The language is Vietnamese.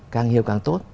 càng hiểu càng tốt